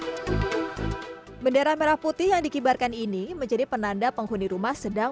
hai bendera merah putih yang dikibarkan ini menjadi penanda penghuni rumah sedang